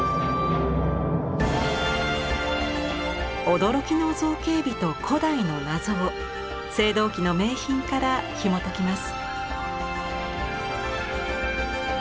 驚きの造形美と古代の謎を青銅器の名品からひもときます。